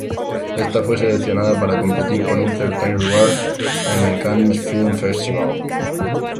Esta fue seleccionada para competir por Un Certain Regard en el Cannes Film Festival.